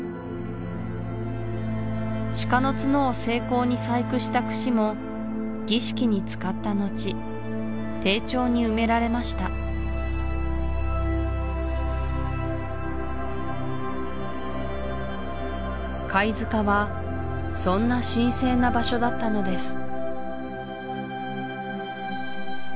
シカの角を精巧に細工したクシも儀式に使ったのち丁重に埋められました貝塚はそんな神聖な場所だったのです